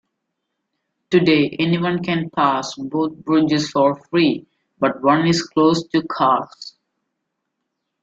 Today, anyone can pass both bridges for free, but one is closed to cars.